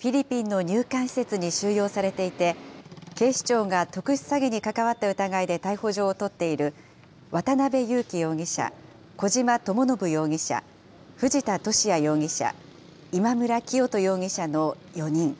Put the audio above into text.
フィリピンの入管施設に収容されていて、警視庁が特殊詐欺に関わった疑いで逮捕状を取っている、渡邉優樹容疑者、小島智信容疑者、藤田聖也容疑者、今村磨人容疑者の４人。